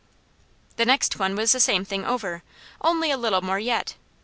The next one was the same thing over, only a little more yet.